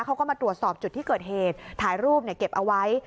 เขาก็มาตรวจสอบจุดที่เกิดเหตุถ่ายรูปเก็บเอาไว้